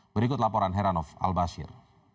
berikut laporan heranov al bashir